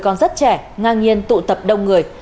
còn rất trẻ ngang nhiên tụ tập đông người